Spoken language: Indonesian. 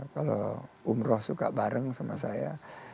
kalau umroh suka bareng sama saya